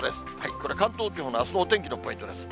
これ、関東地方のあすのお天気のポイントです。